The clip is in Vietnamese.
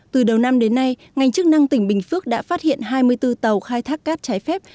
từ đầu năm đến nay ngành chức năng tỉnh bình phước đã phát hiện hai mươi bốn tàu khai thác cát trái phép